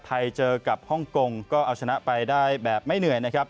เจอกับฮ่องกงก็เอาชนะไปได้แบบไม่เหนื่อยนะครับ